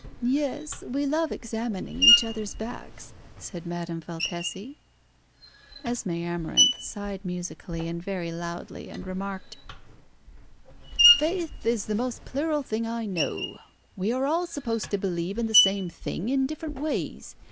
"Yes, we love examining each other's backs," said Madame Valtesi. Esmé Amarinth sighed musically and very loudly, and remarked "Faith is the most plural thing I know. We are all supposed to believe in the same thing in different ways.